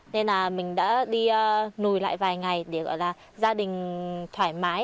nên là mình đã đi lùi lại vài ngày để gọi là gia đình thoải mái